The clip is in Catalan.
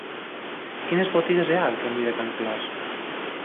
Quines botigues hi ha al camí de Can Clos?